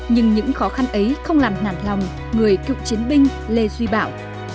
nhưng những khó khăn ấy không làm nản lòng người cựu chiến binh lê duy bảo